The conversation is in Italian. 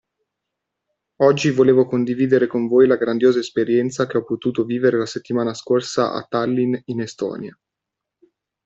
Oggi volevo condividere con voi la grandiosa esperienza che ho potuto vivere la settimana scorsa a Tallinn in Estonia.